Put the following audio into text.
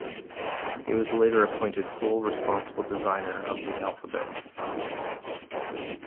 He was later appointed sole responsible designer of the alphabet.